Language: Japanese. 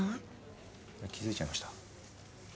気付いちゃいました？